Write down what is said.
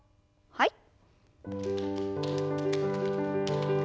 はい。